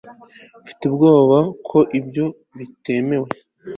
mfite ubwoba ko ibyo bitemewe